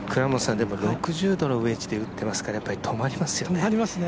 ６０度のウエッジで打っていますから止まりますよね。